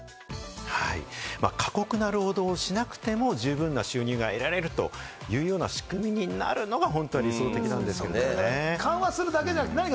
過酷な労働をしなくても十分な収入が得られるというような仕組みになるのが本当は理想的なんですよね。